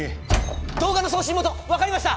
動画の送信元分かりました！